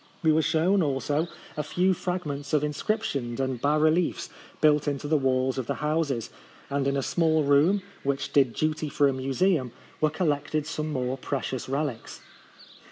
We were shown, also, a few fragments of inscriptions and bas reliefs built into the walls of the houses ; and in a small room, which did duty for a museum, were collected some more precious relics.